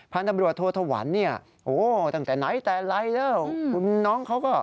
พันธมรวตโทษธวรรณตั้งแต่ไหนแต่ไรแล้ว